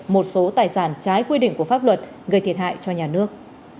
một số tài sản trái quy định của pháp luật gây thiệt hại cho nhà nước